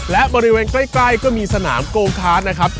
และบริเวณใกล้ก็มีสนามโกงคาร์ดนะครับ